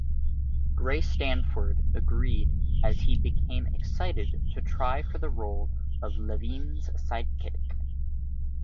Gray-Stanford agreed as he became excited to try for the role of Levine's sidekick.